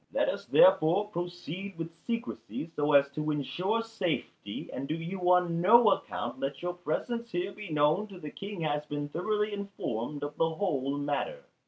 Let us therefore proceed with secrecy, so as to ensure safety, and do you on no account let your presence here be known till the King has been thoroughly informed of the whole matter."